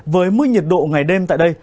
với mức nhiệt độ ngày đêm tại đây